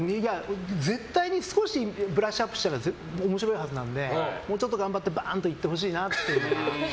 絶対に少しブラッシュアップしたら面白いはずなんでもうちょっと頑張ってバーンと行ってほしいなって。